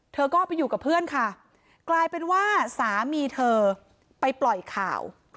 เธอก็ไปอยู่กับเพื่อนค่ะกลายเป็นว่าสามีเธอไปปล่อยข่าว